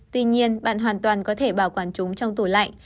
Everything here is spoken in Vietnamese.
tuy nhiên bạn hoàn toàn có thể bảo quản chúng trong tủ lạnh